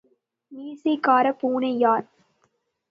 மீசைக் காரப் பூனையார்.